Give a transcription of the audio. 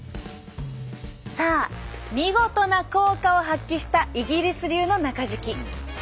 さあ見事な効果を発揮したイギリス流の中敷き。